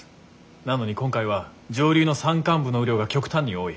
なのに今回は上流の山間部の雨量が極端に多い。